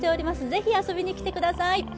ぜひ遊びに来てください。